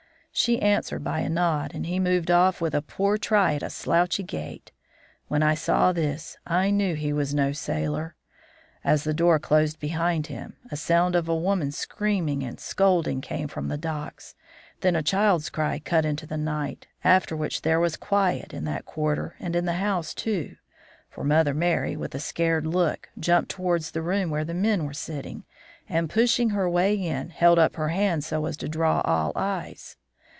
"She answered by a nod, and he moved off with a poor try at a slouchy gait. When I saw this I knew he was no sailor. "As the door closed behind him, a sound of women screaming and scolding came from the docks, then a child's cry cut into the night, after which there was quiet in that quarter and in the house, too. For Mother Merry, with a scared look, jumped towards the room where the men were sitting, and, pushing her way in, held up her hand so as to draw all eyes.